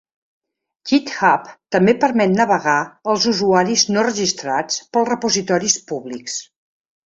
GitHub també permet navegar als usuaris no registrats pels repositoris públics.